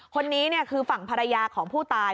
คนนี้คือฝั่งภรรยาของผู้ตาย